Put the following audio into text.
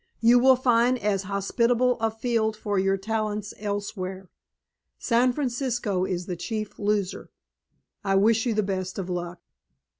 You will find as hospitable a field for your talents elsewhere. San Francisco is the chief loser. I wish you the best of luck."